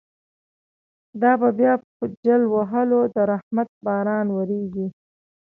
دا به بیا په جل وهلو، د رحمت باران وریږی